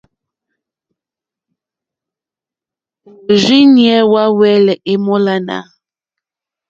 Òrzìɲɛ́ hwá hwɛ́lɛ̀ èmólánà.